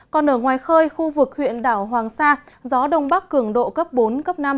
còn ở ngoài khơi khu vực huyện đảo hoàng sa gió đông bắc cường độ cấp bốn cấp năm